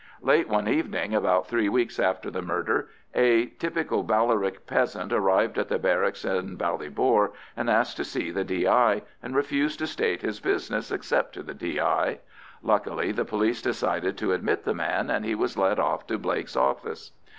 Late one evening, about three weeks after the murder, a typical Ballyrick peasant arrived at the barracks in Ballybor and asked to see the D.I., and refused to state his business except to the D.I. Luckily the police decided to admit the man, and he was led off to Blake's office.